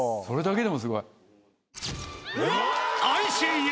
それだけでもすごい。